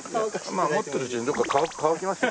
まあ持ってるうちにどこか乾きますよ。